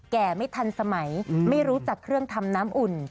แก่ไม่ทันสมัยไม่รู้จักเครื่องทำน้ำอุ่น